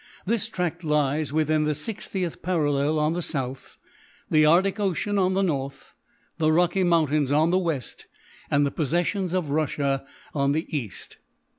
This tract lies within the 60th parallel on the south, the Arctic Ocean on the north, the Rocky Mountains on the west, and the possessions of Russia on the east.